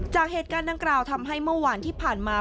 จากเหตุการณ์ดังกล่าวทำให้เมื่อวานที่ผ่านมา